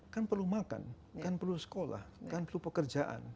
kan perlu makan kan perlu sekolah kan perlu pekerjaan